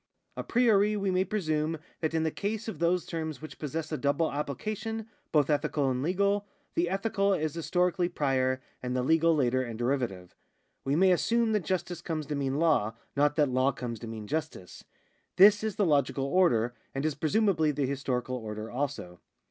A 'priori we may presume that in the case of those terms which possess a double application, both ethical and legal, the ethical is historically prior, and the legal later and deiivative. We may assume that justice comes to mean law, not that law comes to mean justice. This is the logical order, and is presumably the historical order also.